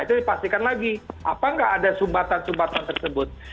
itu dipastikan lagi apa nggak ada sumbatan sumbatan tersebut